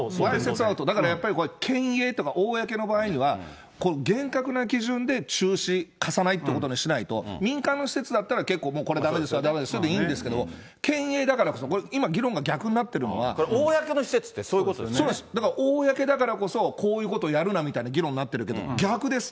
だからやっぱり、県営とか公の場合には、厳格な基準で中止、貸さないってことにしないと、民間の施設だったら、結構これだめですよ、だめですよでいいんですけど、県営だからこそ、今、議論が逆にこれ、公の施設ってそういうだから公だからこそ、こういうことをやるなみたいな議論になってるけど逆です。